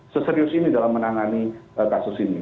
seserius ini dalam menangani kasus ini